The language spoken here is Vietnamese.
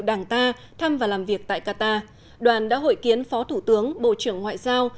đảng ta thăm và làm việc tại qatar đoàn đã hội kiến phó thủ tướng bộ trưởng ngoại giao